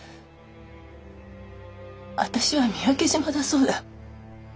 私は三宅島だそうだ。